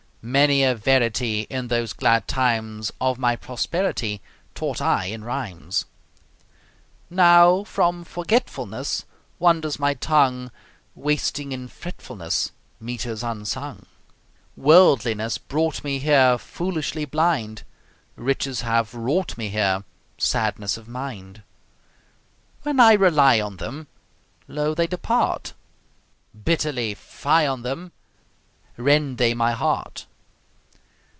Many a verity In those glad times Of my prosperity Taught I in rhymes; Now from forgetfulness Wanders my tongue, Wasting in fretfulness, Metres unsung. Worldliness brought me here Foolishly blind, Riches have wrought me here Sadness of mind; When I rely on them, Lo! they depart, Bitterly, fie on them! Rend they my heart.